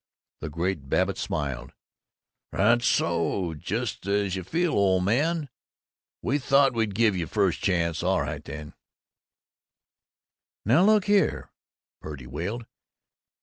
The great Babbitt smiled. "That's so. Just as you feel, old man. We thought we'd give you first chance. All right then " "Now look here!" Purdy wailed.